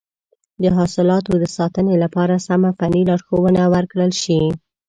د حاصلاتو د ساتنې لپاره سمه فني لارښوونه ورکړل شي.